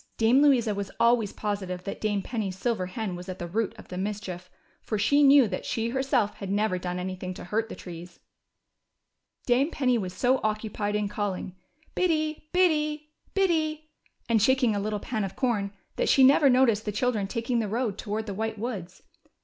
Dame Louisa was always positive that Dame Penny's silver hen was at the root of the mischief, for she knew that she herself had never done anything to hurt the trees. Dame Penny was so occupied in calling Biddy, Biddy, Biddy," and shaking a little pan of corn, that she never noticed the children taking the road toward the White Woods.